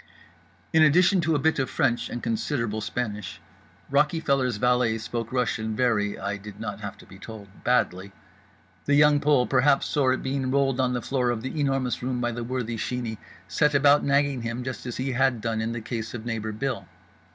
In addition to a bit of French and considerable Spanish, Rockyfeller's valet spoke Russian very (I did not have to be told) badly. The Young Pole, perhaps sore at being rolled on the floor of The Enormous Room by the worthy Sheeney, set about nagging him just as he had done in the case of neighbour Bill.